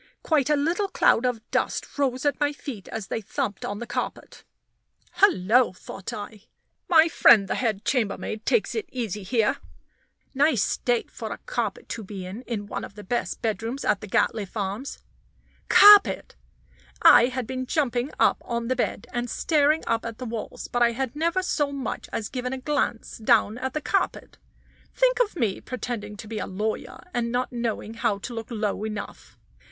Quite a little cloud of dust rose at my feet as they thumped on the carpet. "Hullo!" thought I, "my friend the head chambermaid takes it easy here. Nice state for a carpet to be in, in one of the best bedrooms at the Gatliffe Arms." Carpet! I had been jumping up on the bed, and staring up at the walls, but I had never so much as given a glance down at the carpet. Think of me pretending to be a lawyer, and not knowing how to look low enough!